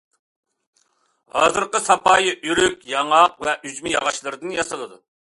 ھازىرقى ساپايى ئۆرۈك، ياڭاق ۋە ئۈجمە ياغاچلىرىدىن ياسىلىدۇ.